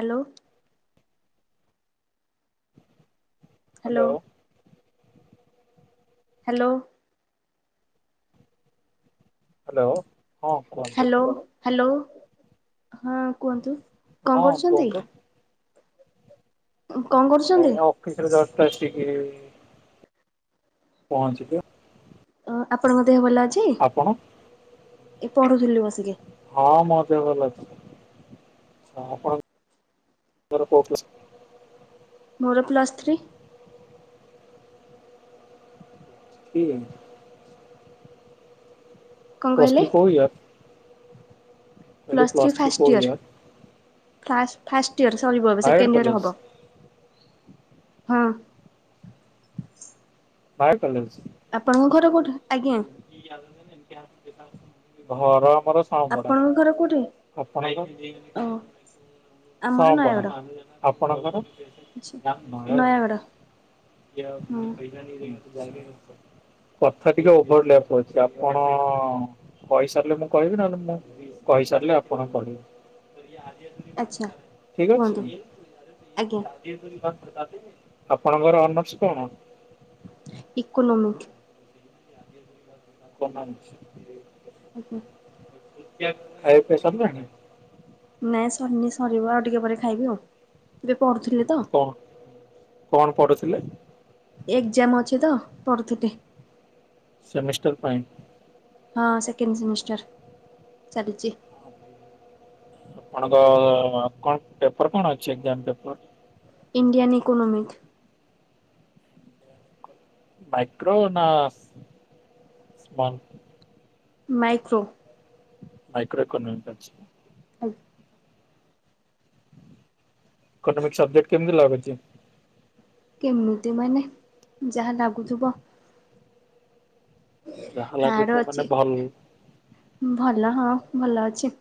Hello. Hello hello. Hello hello. Hello hello. ହଁ କୁହନ୍ତୁ ହଁ କଣ କରୁଛନ୍ତି? କୁହନ୍ତୁ କଣ କରୁଛନ୍ତି ଏଇ ଅଫିସରୁ ଜସ୍ଟ ଆସିକିରି ପହଞ୍ଚିଲି। ଓହ ଆପଣଙ୍କ ଦେହ ଭଲ ଅଛି ଆପଣ ଏଇ ପଢୁଥିଲି ବସି। ହଁ ମ ମୋ ଦେହ ଭଲ ଅଛି ଆପଣ ଆପଣଙ୍କର ମୋର ପ୍ଲସ୍ ଥ୍ରୀ। ଥ୍ରୀ। କଣ ପ୍ଲସ୍ କହିଲେ? ଥ୍ରି କୋଉ year? Plus three first year. ଫାସ୍ ଫାଷ୍ଟ ୟର ସରିବ ଏବେ ନାୟାଗଡ଼ ସେକେଣ୍ଡ ୟର କଲେଜ ହବ। ହଁ। ବାଏ କଲେଜ। ଆପଣଙ୍କ ଘର କୋଉଠୁ ଆଜ୍ଞା। ଘର ଘର ସାହୁପଡ଼ା ଆପଣଙ୍କ ଘର କୋଉଠି? ଆପଣଙ୍କ ଓ ଆମର ସାହୁପଡ଼ା ନୟାଗଡ଼ ଆପଣଙ୍କର? ଆଚ୍ଛା। ନୟାଗଡ଼ ହଁ କଥା ଟିକେ ଓଭର ଲ୍ୟାପ। ଛି ଆପଣ କହିସାରିଲେ ମୁଁ କହିବି ନହେଲେ ମୁଁ କହିସାରିଲେ ଆପଣ କହିବେ। ଆଚ୍ଛା ଠିକଅଛି। କୁହନ୍ତୁ ଆଜ୍ଞା ଆପଣଙ୍କର ଅନର୍ସ କଣ? ଇକୋନମିକ। ପ ନା [inaudible] ଆଜ୍ଞା। ଖିଆ ଖାଇବା ପିଆ ସରିଲାଣି। ନାଇଁ ସରିନି ସରିବ ଆଉ ଟିକେ ପରେ ଖାଇବି ଆଉ ଏବେ ପଢୁଥିଲି ତ। କଣ କଣ ପଢୁଥିଲେ? ଏଗଜାମ ଅଛି ତ ପଢ଼ୁଥିଲି। ସେମିଷ୍ଟାର ପାଇଁ। ହଁ ସେକେଣ୍ଡ ସେମିଷ୍ଟାର ଚାଲିଚି। ଆପଣଙ୍କ କଣ ପେପର କଣ ଅଛି exam paper. Indian economic. Micro ନା ସ ସ୍ମଲ। ମାଇକ୍ରୋ। ମାଇକ୍ରୋ ଇକୋନମିକ ଆଚ୍ଛା। ଆ [unintelligible] ଇକୋନୋମିକ ସବଜେକ୍ଟ କେମିତି ଲାଗୁଛି? କେମିତି ମାନେ ଯାହା ଲାଗୁଥିବ। ଯାହା ହାର୍ଡ ଲାଗୁଥିବ ମାନେ ଅଛି ଭଲ ଭଲ ହଁ ଭଲ ଅଛି।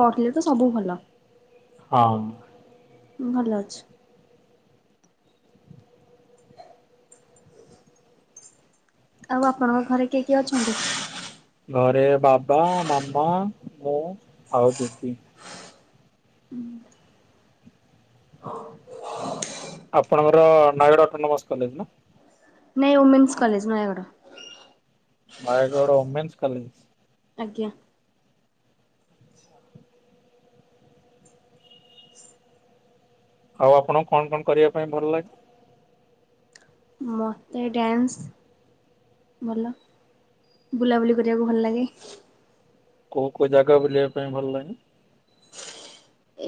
ପଢିଲେ ତ ସବୁ ଭଲ। ହଁ। ଭଲ ଅଛି। ଆଉ ଆପଣଙ୍କ ଘରେ କିଏ କିଏ ଅଛନ୍ତି। ଘରେ ବାବା ମାମା ମୁଁ ଆଉ ଦିଦି। ଆପଣଙ୍କର ନୟାଗଡ଼ ଅଟୋନମସ କଲେଜ ନା। ନାଇଁ women's college Nayagarh. Nayagarh women's college. ଆଜ୍ଞା। ଆଉ ଆପଣଙ୍କୁ କଣ କଣ କରିବା ପାଇଁ ଭଲ ଲାଗେ? ମୋତେ ଡ୍ୟାନ୍ସ। ଭଲ ବୁଲାବୁଲି କରିବାକୁ ଭଲ ଲାଗେ। କୋଉ କୋଉ ଜାଗା ବୁଲିବା ପାଇଁ ଭଲ ଲାଗେ?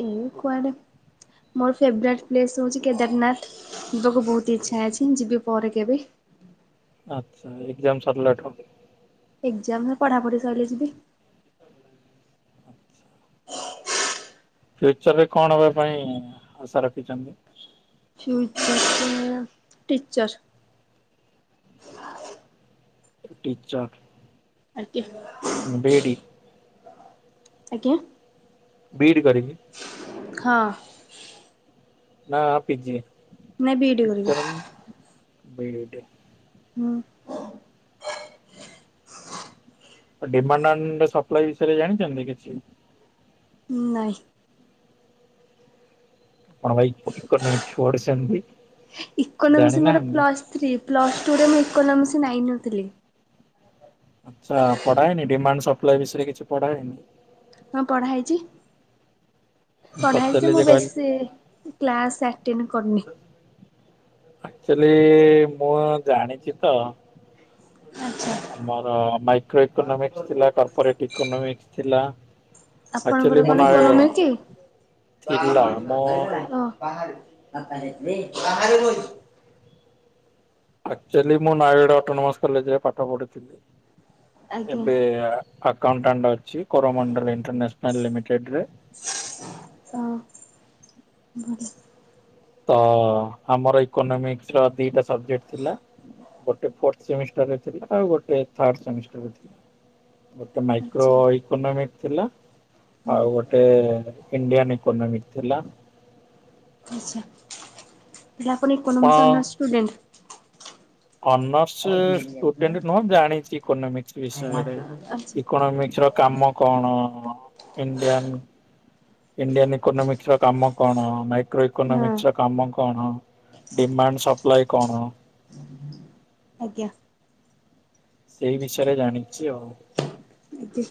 ଏ କୁଆଡେ ମୋର ଫେବରେଟ ପ୍ଲେସ ହଉଛି କେଦାରନାଥ। ଯିବାକୁ ବହୁତ ଇଚ୍ଛା ଅଛି ମୁଁ ଯିବି ପରେ କେବେ। ଆଚ୍ଛା ଏକ୍ଜାମ ସରିଲା ଠୁ। ଏକ୍ଜାମ ପଢାପଢି ସଇଲେ ଯିବି। ଫ୍ୟୁଚରରେ କଣ ହବା ପାଇଁ ଆଶା ରଖିଛନ୍ତି? ଫ୍ୟୁଚର ରେ ଟିଚର୍। ଟିଚର। ଆଜ୍ଞା ବି ଇ ଡ଼ି। ଆଜ୍ଞା। ବିି ଇ ଡି କରିକି। ହଁ। ନାଁ ପି ଜି। ନାଇ ବି ଇ ଡି କରୀକି। B E D. ହୁଁ। ଡିମାଣ୍ଡ ଆଣ୍ଡ ସପ୍ଲାଏ ବିଷୟରେ ଜାଣିଛନ୍ତି କିଛି? ନାଇ। ଆପଣ ଭାଇ ଇକୋ ଇକୋନୋମିକ୍ସ ପଢ଼ିଛନ୍ତି। ଇକୋନୋମିକ୍ସ ମୋର ପ୍ଲସ୍ ଥ୍ରୀ ପ୍ଲସ ଟୁରେ ମୁଁ ଇକୋନୋମିକ୍ସ ନେଇ ନଥିଲି। ଆଚ୍ଛା ପଢାହେଇନି ଡିମାଣ୍ଡ ସପ୍ଲାଏ ବିଷୟରେ କିଛି ପଢା ହେଇନି। ହଁ ପଢା ହେଇଛି ମୁଁ ପଢା ହେଇଛି ପଚାରିଲି ଯେ ମୁଁ କହିଲି ବେଶୀ କ୍ଲାସ ଆ ଟେଣ୍ଡ କରିନି। ଆକ୍ଚୁଲି ମୁଁ ଜାଣିଛି ତ। ଆଚ୍ଛା ଆମର ମାଇକ୍ରୋ ଇକୋନୋମିକ୍ସ୍ ଥିଲା କର୍ପୋରେଟ ଇକୋନୋମିକ୍ସ ଥିଲା। ଆକ୍ଚୁଆଲି ଆପଣଙ୍କର ମୁଁ କଣ ନୟାଗଡ଼ ଇକୋନୋମି କି? ଥିଲା ମୁଁ ଓ। କ ହେ କ ଆକଚୁଆଲି ମୁଁ ନୟାଗଡ ଅଟୋନମସ କଲେଜରେ ପାଠ ପଢିଥିଲି ଆଜ୍ଞା। ଏବେ। Account tender. ସେଇ କରମଣ୍ଡଳ ଏଣ୍ଟରନେସନାଲ ଲିମିଟେଡ଼ ରେ ହ ତ ଆମର ଇକୋନୋମିକ୍ସ ର ଦିଟା ସବଜେକ୍ଟ ଥିଲା ଗୋଟେ ଫୋର ସେମିଷ୍ଟାର ରେ ଥିଲା ଆଉ ଗୋଟ ଥାର୍ଡ଼ ସେମିଷ୍ଟାର ଗୋଟେ ମାଇକ୍ରୋ ଆଚ୍ଛା ଇକୋନୋମିକ ଥିଲା ହୁଁ ଆଉ ଗୋଟେ ଇଣ୍ଡିଆଣ ଇ କୋନମିସ ଥିଲା ଆଛା। ତାହାଲେ ଆପଣ economics honours student. Honours student ନୁହଁ ଜାଣିଛି ଇକୋନୋମିକସ ବିଷୟରେ। ଆଚ୍ଛା ହଁ ଆଜ୍ଞା ଏକୋନୋମିକ୍ସ ର କାମ କଣ ଇଣ୍ଡିଆନ ଇଣ୍ଡିଆନ ଏକୋନୋମିକ୍ସ ର କାମ କଣ ମାଇକ କ୍ରୋ ଏକୋନୋମିକ୍ସ ର କାମ କଣ ଡିମାଣ୍ଡ ସପ୍ଲାଏ କଣ ଆଜ୍ଞା। ସେଇ ବିଷୟରେ ଜାଣିଛି ଆଉ। ଆଜ୍ଞା।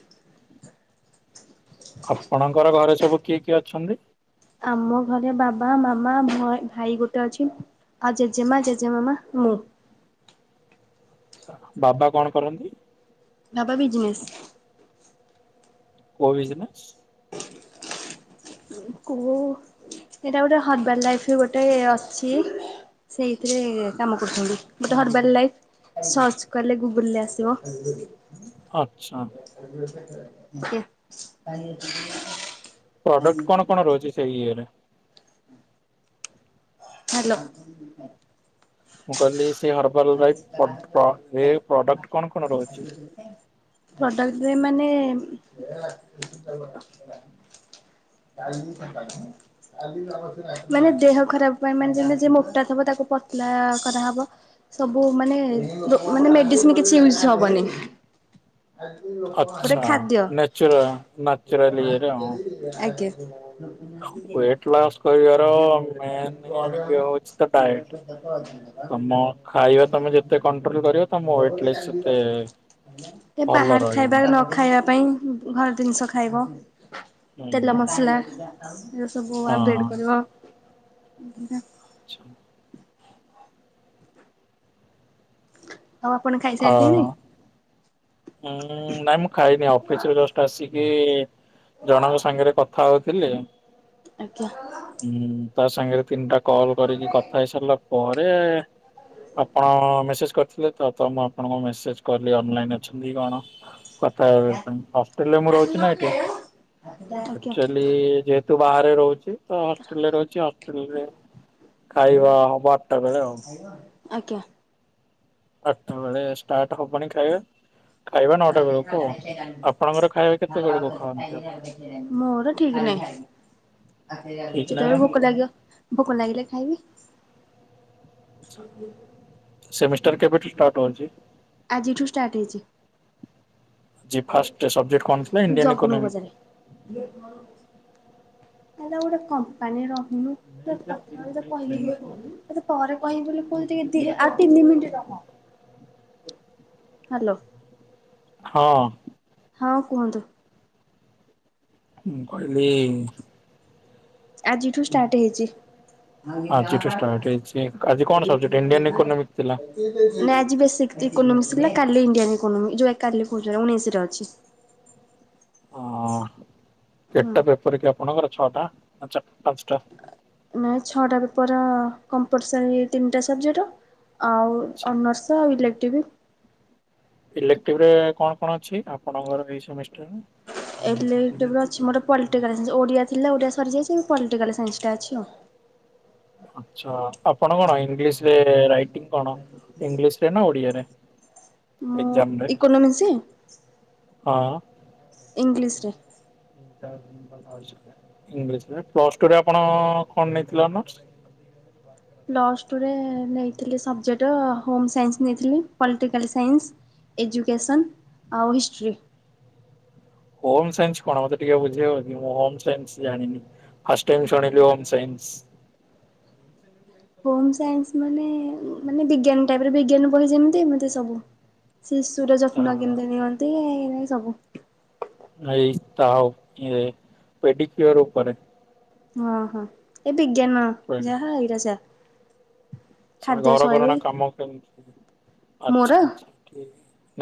ଆପଣଙ୍କର ଘରେ ସବୁ କିଏ କିଏ ଅଛନ୍ତି? ଆମ ଘରେ ବାବା ମାମା ଭୋ ଭାଇ ଗୋଟେ ଅଛି। ଆଉ ଜେଜେମା ଜେଜେମାମା ମୁଁ। ଛ ବାବା କଣ କରନ୍ତି? ବାପା ବିଜିନେସ୍। କୋଉ ବିଜନେସ୍? କୋଉ ଏଇଟା ଗୋଟେ ହରବାଲ ଲାଇଫ ଗୋଟେ ଅଛି ସେଇଥିରେ କାମ କରୁଚନ୍ତି ଗୋଟେ ହର୍ବାଲ ଲାଇଫ ସର୍ଚ୍ଚ କଲେ ଗୁଗୁଲ ରେ ଆସିବ ଆଚ୍ଛା। [unintelligible] ପ୍ରଡକ୍ଟ କଣ କଣ ରହୁଛି ସେଇ ଇଏରେ? ହାଲୋ। ମୁଁ କହିଲି ସେ ହର୍ବାଲଲାଇଫ ପ୍ରଡ ପ ରେ ପ୍ରଡକ୍ଟ କଣ କଣ ରହୁଚି? ପ୍ରଡ଼କ୍ଟ ରେ ମାନେ କାାଇ ମାନେ ଦେହ ଖରାପ ପାଇଁ ମାନେ ଯେମ ଯେ ମୋଟା ଥବ ତାକୁ ପତଲା କରାହବ ସବୁ ମାନେ ମାନେ ମେଡିସିନ କିଛି ୟୁଜ ହବନି ଗୋଟେ ଆଚ୍ଛା ଖାଦ୍ୟ ନେଚୁରା ନାଚୁରାଲି ଆଜ୍ଞା। ୱେଟ୍ ଲସ୍ କରିବାର ମନେ ୟେ ହୋଉଛି ତା ଡ଼ାଇଟ ତମ ଖାଇବା ତମେ ଯେତେ କଣ୍ଟ୍ରୋଲ କରି ରେ ତମ ୱେଟ ଲସ ସେତେ ଏ ଭଲ ବାହାର ରହିବ। ଖାଇବା ନ ଖାଇବା ପାଇଁ ଘର ଦିନିଷ ଖାଇବ। ହୁଁ ତେଲ ମସଲା ଏ ସବୁ ଆଭେଡ ହଁ କରବ ବ ଆଛା। ଆଉ ଆପଣ ଖାଇସାରିଲେଣି? ହୁଁ ନାଇଁ ମୁଁ ଖାଇନି ଅଫିସ ରୁ ଜଷ୍ଟ ଆସିକି କି ଜଣଙ୍କ ସାଙ୍ଗରେ କଥା ହଉଥିଲି ଆଜ୍ଞା। ହୁଁ ତା ସାଙ୍ଗରେ ତିନିଟା କଲ କରିକି କଥା ହେଇସାରିଲା ପରେ ଆପଣ ମେସେଜ କରି ଥିଲେ ତ ତ ମୁଁ ଆପଣଙ୍କୁ ମେସେଜ କଲି ଅନଲାଇନ ଅଛନ୍ତି କଣ କଥା ହେବ ପାଁଇ ହଷ୍ଟେଲ ରେ ମୁଁ ରହୁଛି ନା ଏଠି ଆଜ୍ଞା ଆକଚୁଲି ଯେହେତୁ ବାହାରେ ରହୁଚି ହଷ୍ଟେଲରେ ଅଛି ହଷ୍ଟେଲ ରେ ଖାଇବା ହବ ଆଟା ବେଳେ ଆଉ ଆଜ୍ଞା। ଆଟା ବେଳେ ଷ୍ଟାର୍ଟ ହବନି ଖାଇବା ଖାଇବା ନଅଟା ବେଳକୁ ଆପଣଙ୍କର ଖାଇବା? କେତେବେଳକୁ ଖାଆନ୍ତି ଆପଣ? ମୋର ଠିକ୍ ନାହିଁ। ଠିକ୍ ନାହିଁ ଯେତେବେଳେ ମାନେ ଭୋକ ଲାଗିବ ଭୋକ ଲାଗିଲେ ଖାଇବି। ହୁଁ ହୁଁ। ସେମିଷ୍ଟାର କେବେଠୁ ଷ୍ଟାର୍ଟ ହଉଛି? ଆଜିଠୁ ଷ୍ଟାର୍ଟ ହେଇଛି। ଆଜି ଫାଷ୍ଟ ସବଜେକ୍ଟ କଣ ଥିଲା ଇଣ୍ଡିଆନ୍ ଜଗନ କୁ ଇକୋନୋମି ପଚାରେ। ଏଇଟା ଗୋଟେ କମ୍ପାନୀର ଓନ ତୋ କଥା ଅବିକା କହିଲି ଇଲୋ ବୋଉ ଟିକେ ପରେ କହିବି ବୋଲି କୁହଛି ଟିକେ ଦି ଆଉ ତିନି ମିନିଟ୍ ରହ। ହ ହାଲୋ। ହଁ। ହଁ କୁହନ୍ତୁ? ମୁଁ କହିଲି ଆଜିଠୁ ଷ୍ଟାର୍ଟ ହେଇଛି। ଆଜିଠୁ ନାଁ ଷ୍ଟାର୍ଟ ଆଜି ହେଇଛି ଆଜି କଣ ସବଜେକ୍ଟ ଇଣ୍ଡିଆନ୍ ଇକୋନୋମିକ୍ ଥିଲା। ବେସିକ୍ ଇ ଇକୋନୋମିକ୍ସ ଥିଲା କାଲି ଇଣ୍ଡିଆନ୍ ଇକୋନମି ଯୋଉ କାଲି କହୁଛି ନା ଉଣେଇଶିରେ ଅଛି। ହଁ ହୁଁ କେତେଟା ପେପର୍ କି ଆପଣଙ୍କର ଛଅଟା ନା ଚା ନାଇଁ ଛଅଟା ପେପର୍ କମ୍ପଲ୍ସରୀ ତିନିଟା ସବ୍ଜେକଟ୍ ଆଉ ଆଚ୍ଛା। ଆଉ ନର୍ସା ଆଉ ଇଲେକ୍ଟିଭ୍। ଇଲେକ୍ଟିଭ୍ ରେ କଣ କଣ ଅଛି ଆପଣଙ୍କର ଏଇ ସବୁ ମିଷ୍ଟେକ୍? ଇଲେକ୍ଟିଭ୍ ରେ ଅଛି ମୋର ପଲଟିକାଲ୍ ସାଇନ୍ସ୍ ଓଡିଆ ଥିଲା ଓଡ଼ିଆ ସରିଯାଇଛି ଏବେ ପଲଟିକାଲ୍ ସାଇନ୍ସ୍ ଟା ଅଛି ଆଉ। ଆଛା ଆପଣ କଣ ଇଂଲିଶରେ ରାଇଟିଙ୍ଗ୍ କଣ ଇଂଲିଶରେ ନା ଓଡିଆରେ? ମୁଁ ଏକ୍ଜାମ ରେ? ଇକୋନୋମିକ୍ସ ହଁ। ଇଂଲିଶ ରେ। ଇଂଲିଶ ଥିଲା ପ୍ଲସ୍ ଟୁ ରେ ଆପଣ କଣ ନେଇଥିଲେ ଅନରର୍ସ? ପ୍ଲସ୍ ଟୁରେ ନେଇଥିଲି ସବଜେକ୍ଟ୍ ହୋମ୍ ସାଇନ୍ସ୍ ନେଇଥିଲି ପଲଟିକାଲ ସାଇନ୍ସ୍ ଏଜୁକେସନ୍ ଆଉ ହିଷ୍ଟ୍ରି। ହୋମ୍ ସାଇନ୍ସ୍ କଣ ମତେ ଟିକେ ବୁଝେଇବ କି ମୁଁ ହୋମ୍ ସାଇନ୍ସ୍ ଜାଣିନି ଫାଷ୍ଟ୍ ଟାଇମ୍ ଶୁଣିଲି ହୋମ୍ ସାଇନ୍ ନ୍ସ୍। ହ ହୋମ୍ ସାଇନ୍ସ୍ ମାନେ ମାନେ ବିଜ୍ଞାନ ଟାଇପ୍ ର ବିଜ୍ଞାନ ବହି ଯେମିତି ସେମିତି ସବୁ। ଶିଶୁର ଯତ୍ନ କେମିତି ନିଅନ୍ତି ଏଇ ଭଳି ସବୁ। ଏଇ ତ ଆଉ ଏ ପେଡିକ୍ୟୁର ଉପରେ। ଓ ହୋ ଏଇ ବିଜ୍ଞାନ ଯାହା ଏଇଟା ସେଇଆ। ସବୁ ଘର କରଣା କାମ କେମିତି ମୋର ଆଛା ଆଛା ଠିକ୍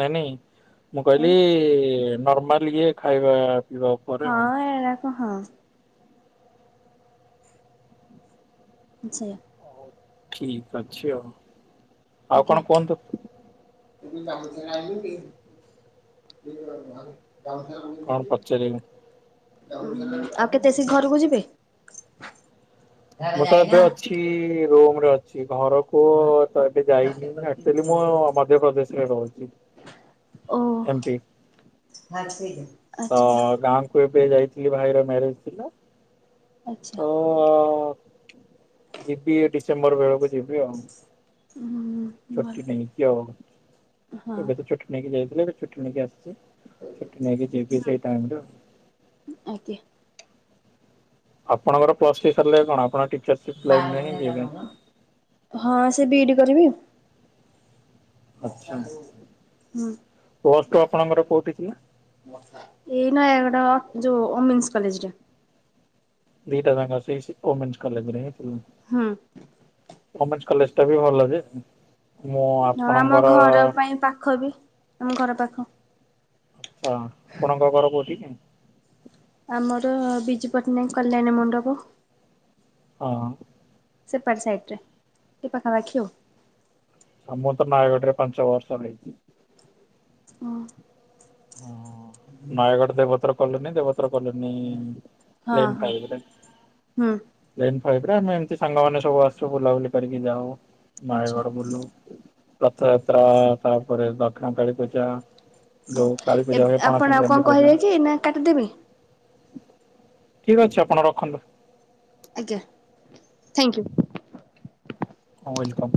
ନାଇଁ ନାଇଁ ମୁଁ ଆଉ କହିଲି ନର୍ମାଲ୍ ଇଏ ଖାଇବା ପିଇବା ଉପରେ ଆଉ। ଓ ହଁ। ଆଛା। ଠିକ୍ ଅଛି ଆଉ ଆଉ କଣ କୁହନ୍ତୁ? [unintelligible] [unintelligible] ଉଁ କଣ ପଚାରିବେ? ଆଉ କେତେ ସିଏ ଘରକୁ ଯିବେ? ମୁଁ ତ ଏବେ ଅଛି ରୁମ୍ ରେ ଅଛି। କି ଘରକୁ ତ ଏବେ ଯାଇନି ଆକ୍ଚୁଲି ମୁଁ ମଧ୍ୟପ୍ରଦେଶରେ ରହୁଛି। ଓ। ଏମପି ତ ଆଚ୍ଛା ଗାଁ କୁ ଏବେ ଯାଇଥିଲି ଭାଇର ମ୍ୟାରେଜ୍ ଥିଲା। ତ ଆଛା। ଯିବି ଡିସେମ୍ବର ବେଳକୁ, ଯିବି ଆଉ ହୁଁ ଭଲ ଚୁଟି ନେଇକି ଆଉ, ହଁ ଏବେ ତ ଚୁଟି ନେଇକି ଯାଇଥିଲେ, ଏବେ ଚୁଟି ନେଇକି ଆସ ଛୁଟି ନେଇକି ଯିବି ସେଇ ଟାଇମ ର ଆଜ୍ଞା ଆପଣଙ୍କର ପ୍ଲସ୍ ସାରିଲେ କଣ ଆପଣ ଟ ହଁ ସେ ବିଇଡି କରିବି। ଆଛା, ପୋଷ୍ଟ ଆପଣଙ୍କର କୋଉଠି ଥିଲା? ଏଇ ନ ଗୋଟ ଯୋଉ ଓମେନ୍ସ କଲେଜରେ ଲିଟାଙ୍ଗ ଅ [unintelligible] ଓମେନ୍ସ କଲେଜରେ ହଁ କଲେଜ ଟା ବି ଭଲ ଯେ ମୁଁ ହଁ ଆମ ଆପଣଙ୍କର ଘର ପାଇଁ ପାଖ ବି, ଆମ ଘର ପାଖ ଆଛା, ଆପଣଙ୍କ ଘର କଉଠି କି? ଆମର ବିଜୁ ପଟ୍ଟନାୟକ କଲ୍ୟାଣ ମଣ୍ଡପ ହଁ ସେପାର ସାଇଟରେ, କି ପାଖା ପାଖିଉ ଆମରତ ନୟାଗଡରେ ପାଞ୍ଚ ବର୍ଷ ରଇଛି। ହଁ ହଁ ନୟାଗଡ ଦେବତର କଲେନି, ଦେବତ ପ କଲ ଲାଇନ୍ ହଁ ପାଇ ହୁଁ [unintelligible] କହିଲି ପା ଆମେ ଏମିତି ସାଙ୍ଗମାନେ ସବୁ ଆସୁ, ବୁଲାବୁଲି କରିକି ଯାଉ, ଆଚ୍ଛା ନୟାଗଡ ବୁଲୁ। ରଥଯାତ୍ରା ତାପରେ ଦକ୍ଷିଣ କାଳୀ ପୂଜା ହଉ। ଯଉ କାଳୀ ପୂଜା ଏବେ ହୁଏ, ପଣା ଆପଣ ଆଉ କଣ ସଂକ୍ରାନ୍ତି କହିବେ ପର୍ଯ୍ୟନ୍ତ କି ନା କାଟିଦେବି ଠିକ ଅଛି, ଆପଣ ରଖନ୍ତୁ। ଆଜ୍ଞା, ଥ୍ୟାଙ୍କ ୟୁ ୱେଲକମ୍।